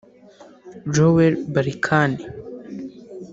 Joel Barkan